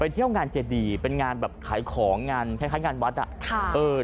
ไปเที่ยวงานเจดีเป็นงานแบบขายของขายงานวัด